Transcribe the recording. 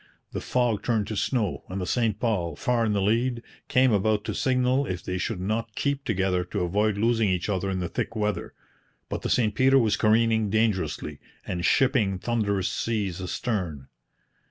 The fog turned to snow, and the St Paul, far in the lead, came about to signal if they should not keep together to avoid losing each other in the thick weather; but the St Peter was careening dangerously, and shipping thunderous seas astern.